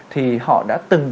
thì họ đã từng bị